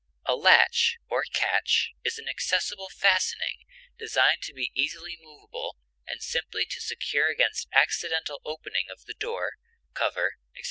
A latch or catch is an accessible fastening designed to be easily movable, and simply to secure against accidental opening of the door, cover, etc.